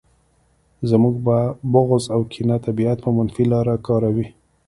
زموږ بغض او کینه طبیعت په منفي لاره کاروي